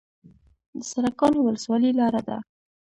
د سرکانو ولسوالۍ لاره ده